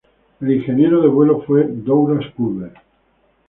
El ingeniero de vuelo fue Douglas Culver.